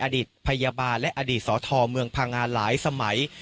อดีตพยาบาลและอดีตสทเมืองพังงาหลายสมัย